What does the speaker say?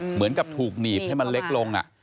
เหมือนกับถูกหนีบให้มันเล็กลง